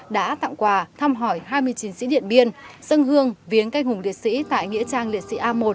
đã tặng quà thăm hỏi hai mươi chiến sĩ điện biên dân hương viếng canh hùng liệt sĩ tại nghĩa trang liệt sĩ a một